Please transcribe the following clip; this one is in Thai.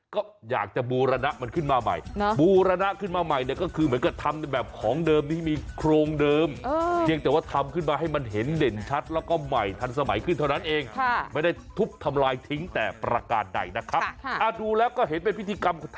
ก็อยากจะบูรณะมันขึ้นมาใหม่บูรณะขึ้นมาใหม่เนี่ยก็คือเหมือนกับทำแบบของเดิมที่มีโครงเดิม